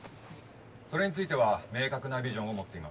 「それについては明確なビジョンを持っています」